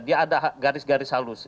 dia ada garis garis halus